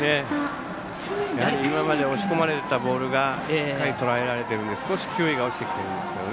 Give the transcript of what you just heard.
今まで押し込まれていたボールがしっかりとらえられているので少し球威が落ちてきていますよね。